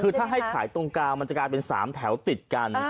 คือถ้าให้ขายตรงกลางมันจะกลายเป็น๓แถวติดกัน